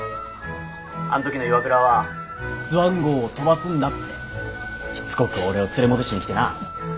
あん時の岩倉はスワン号を飛ばすんだってしつこく俺を連れ戻しに来てな。